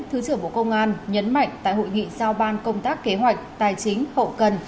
thứ trưởng bộ công an nhấn mạnh tại hội nghị sao ban công tác kế hoạch tài chính hậu cần